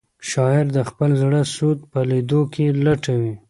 شاعر د خپل زړه سود په لیدو کې لټوي.